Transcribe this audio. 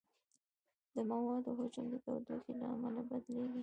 د موادو حجم د تودوخې له امله بدلېږي.